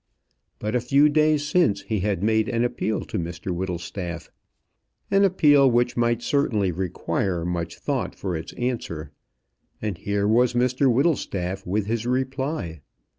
But a few days since he had made an appeal to Mr Whittlestaff an appeal which certainly might require much thought for its answer and here was Mr Whittlestaff with his reply.